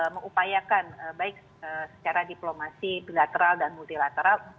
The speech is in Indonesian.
mengupayakan baik secara diplomasi bilateral dan multilateral